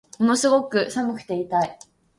ものすごく寒くて痛い